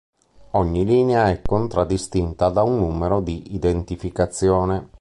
Ogni linea è contraddistinta da un numero di identificazione.